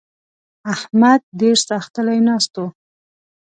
احمد ډېر ساختلی ناست وو.